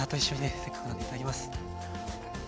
せっかくなんでいただきます。